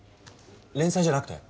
連載じゃなくて？